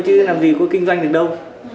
chứ làm gì có kinh doanh được đâu